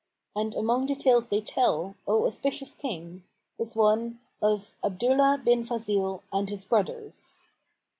And among the tales they tell, O auspicious King, is one of ABDULLAH BIN FAZIL AND HIS BROTHERS.